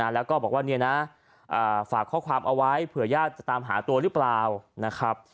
แล้วก็บอกว่าฝากข้อความเอาไว้เผื่อญาติจะตามหาตัวหรือเปล่านะครับ